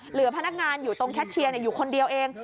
เหลือพนักงานอยู่ตรงแคชเชียร์อยู่คนเดียวเอง